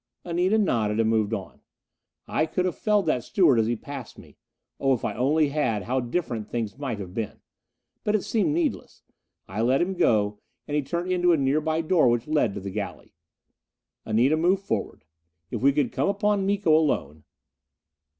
Anita nodded, and moved on. I could have felled that steward as he passed me. Oh, if I only had, how different things might have been! But it seemed needless. I let him go, and he turned into a nearby door which led to the galley. Anita moved forward. If we could come upon Miko alone.